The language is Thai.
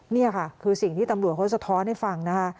นี่ค่ะคือสิ่งที่ตำรวจเขาสะท้อนให้ฟังนะคะ